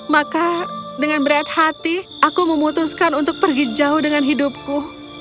maka dengan berat hati aku memutuskan untuk pergi jauh dengan hidupku